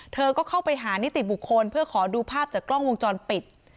เธอก็เข้าไปหานิติบุคคลเพื่อขอดูภาพจากกล้องวงจรปิด